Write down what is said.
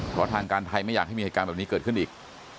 เพราะทางการไทยไม่อยากให้มีเหตุการณ์แบบนี้เกิดขึ้นอีก